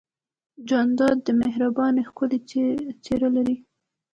جانداد د مهربانۍ ښکلی څېرہ لري.